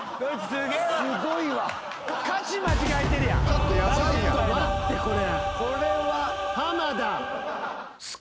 ちょっと待ってこれ。